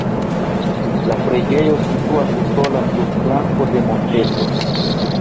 La preĝejo situas sola sur flanko de monteto.